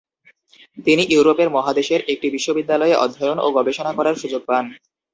তিনি ইউরোপের মহাদেশের একটি বিশ্ববিদ্যালয়ে অধ্যয়ন ও গবেষণা করার সুযোগ পান।